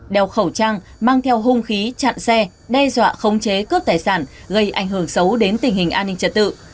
đeo khẩu trang mang theo hung khí chặn xe đe dọa khống chế cướp tài sản gây ảnh hưởng xấu đến tình hình an ninh trật tự